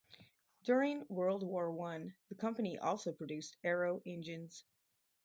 During World War One the company also produced aero engines.